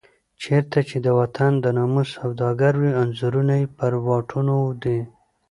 چېرته چې د وطن د ناموس سوداګر وي انځورونه یې پر واټونو دي.